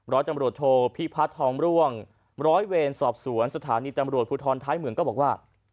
ร้อยตำรวจโทพิพัฒน์ทองร่วงร้อยเวรสอบสวนสถานีตำรวจภูทรท้ายเมืองก็บอกว่า